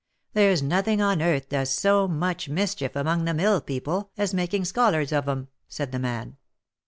There's nothing on earth does so much mischief among the mill people as making scho lards of 'em," said the man.